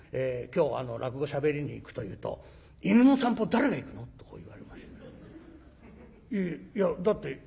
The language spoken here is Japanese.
「今日落語しゃべりに行く」と言うと「犬の散歩誰が行くの？」とこう言われまして。